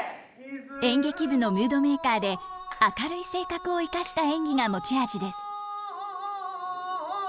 演劇部のムードメーカーで明るい性格を生かした演技が持ち味です。